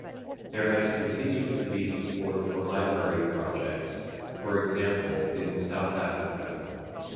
There has continued to be support for library projects, for example in South Africa.